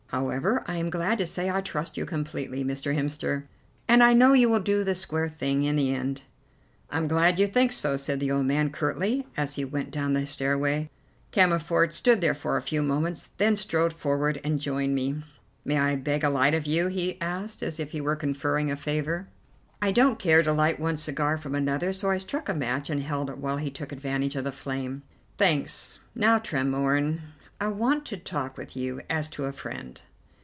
However, I am glad to say I trust you completely, Mr. Hemster, and I know you will do the square thing in the end." "I'm glad you think so," said the old man curtly, as he went down the stairway. Cammerford stood there for a few moments, then strode forward and joined me. "May I beg a light of you?" he asked, as if he were conferring a favour. I don't care to light one cigar from another, so I struck a match and held it while he took advantage of the flame. "Thanks. Now, Tremorne, I want to talk with you as to a friend.